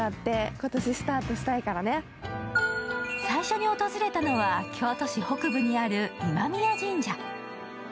最初に訪れたのは京都市北部にある今宮神社。